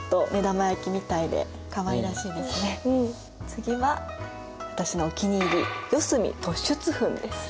次は私のお気に入り四隅突出墳です。